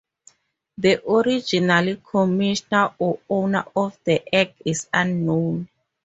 The original commissioner or owner of the egg is unknown.